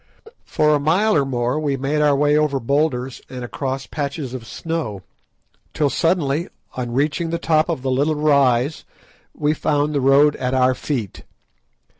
For a mile or more we made our way over boulders and across patches of snow, till suddenly, on reaching the top of the little rise, we found the road at our feet.